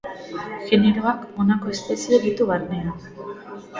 Generoak honako espezie ditu barnean.